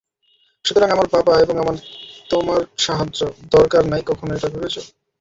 সুতরাং আমার বাবা এবং আমার তোমার সাহায্য দরকার নাই কখনো এটা ভেবেছ?